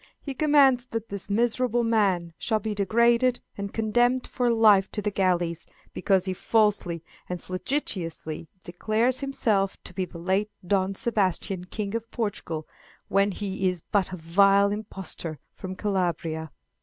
He commands that this miserable man shall be degraded and condemned for life to the galleys, because he falsely and flagitiously declares himself to be the late Don Sebastian, King of Portugal, when he is but a vile impostor from Calabria!"